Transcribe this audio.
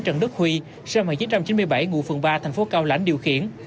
nước huy sân hàng chín trăm chín mươi bảy ngụ phường ba thành phố cao lãnh điều khiển